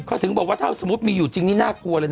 เขาถึงบอกว่าถ้าสมมุติมีอยู่จริงนี่น่ากลัวเลยนะ